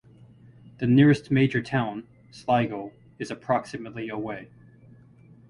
The nearest major town, Sligo, is approximately away.